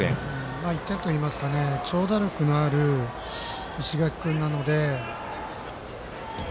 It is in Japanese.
まあ、１点といいますかね長打力のある石垣君なので。